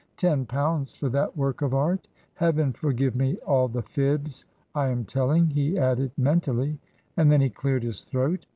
Ten pounds for that work of art! Heaven forgive me all the fibs I am telling," he added, mentally, and then he cleared his throat.